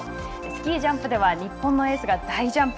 スキージャンプでは日本のエースが大ジャンプ。